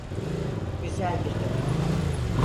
Güzel bir kadın.